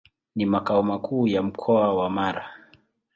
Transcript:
Ni makao makuu ya Mkoa wa Mara.